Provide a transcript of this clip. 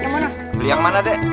beli yang mana dek